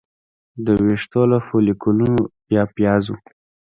د ویښتو له فولیکونو یا پیازو